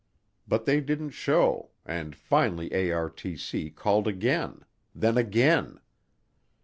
But they didn't show, and finally ARTC called again then again.